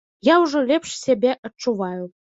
Я ўжо лепш сябе адчуваю.